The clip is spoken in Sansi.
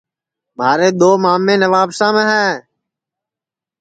مھارے دؔو مامیں نوابشام ہے